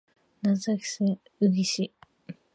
長崎県壱岐市